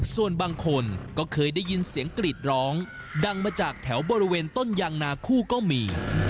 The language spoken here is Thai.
ส่วนบางคนก็เคยได้ยินเสียงกรีดร้องดังมาจากแถวบริเวณต้นยางนาคู่ก็มี